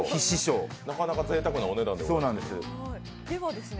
なかなかぜいたくなお値段です。